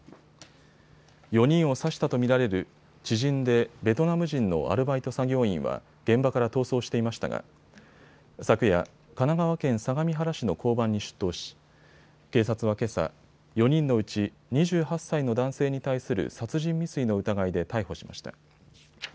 ４人を刺したと見られる知人でベトナム人のアルバイト作業員は現場から逃走していましたが昨夜、神奈川県相模原市の交番に出頭し警察はけさ、４人のうち２８歳の男性に対する殺人未遂の疑いで逮捕しました。